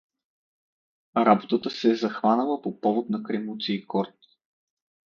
Работата се е захванала по повод на Кремуций Корд.